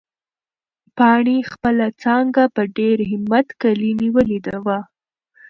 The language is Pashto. پاڼې خپله څانګه په ډېر همت کلي نیولې وه.